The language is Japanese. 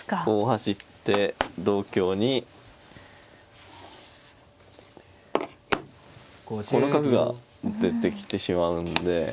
こう走って同香にこの角が出てきてしまうんで。